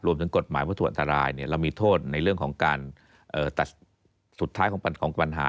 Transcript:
ถึงกฎหมายวัตถุอันตรายเรามีโทษในเรื่องของการตัดสุดท้ายของปัญหา